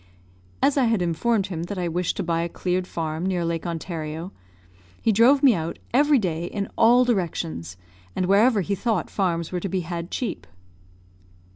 As I had informed him that I wished to buy a cleared farm near Lake Ontario, he drove me out every day in all directions, and wherever he thought farms were to be had cheap.